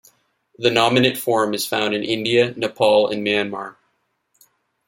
The nominate form is found in India, Nepal and Myanmar.